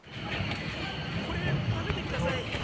これ食べて下さい。